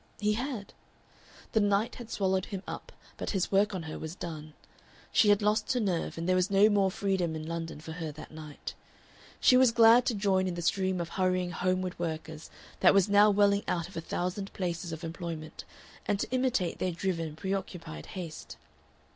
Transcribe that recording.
He had. The night had swallowed him up, but his work on her was done. She had lost her nerve, and there was no more freedom in London for her that night. She was glad to join in the stream of hurrying homeward workers that was now welling out of a thousand places of employment, and to imitate their driven, preoccupied haste.